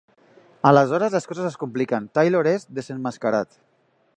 Aleshores les coses es compliquen, Taylor és desemmascarat.